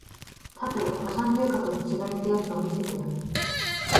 立てよド三流格の違いってやつを見せてやる